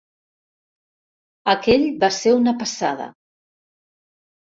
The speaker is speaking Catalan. Aquell va ser una passada.